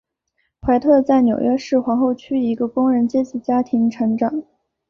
怀特在纽约市皇后区一个工人阶级家庭成长。